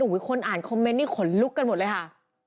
คนอ่านคอมเมนต์นี่ขนลุกกันหมดเลยค่ะ